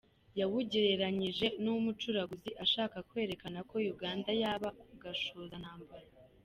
Yawugereranyije n’umucuraguzi, ashaka kwerekana ko Uganda yabaye gashozantambara.